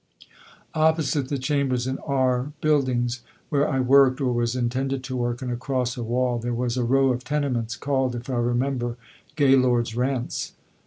Opposite the chambers in R Buildings where I worked, or was intended to work, and across a wall, there was a row of tenements called, if I remember, Gaylord's Rents.